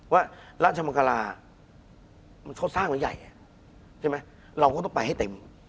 ว่าราชมังคลามันเขาสร้างไว้ใหญ่ใช่ไหมเราก็ต้องไปให้เต็ม